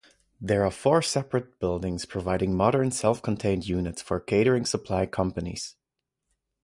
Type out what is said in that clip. There are four separate buildings providing modern self-contained units for catering supply companies.